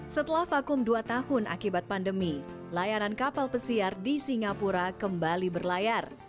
setelah vakum dua tahun akibat pandemi layanan kapal pesiar di singapura kembali berlayar